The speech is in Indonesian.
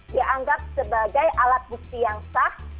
dianggap sebagai alat bukti yang sah